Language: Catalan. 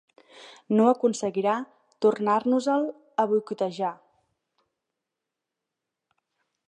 No aconseguirà tornar-nos-el a boicotejar.